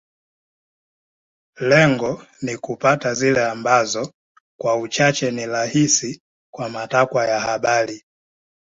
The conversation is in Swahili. Lengo ni kupata zile ambazo kwa uchache ni rahisi kwa matakwa ya habari